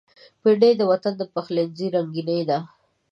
بېنډۍ د وطن د پخلنځي رنگیني ده